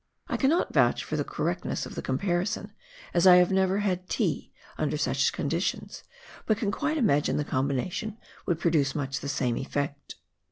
I cannot vouch for the correctness of the comparison, as I have never had tea under such conditions, but can quite imagine the combination would produce much the same effect.